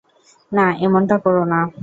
না, এমনটা করোনা।